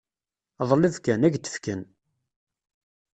Ḍleb kan, ad k-d-fken.